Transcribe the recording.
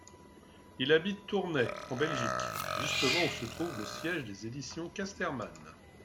Il habite Tournai, en Belgique, justement où se trouve le siège des éditions Casterman.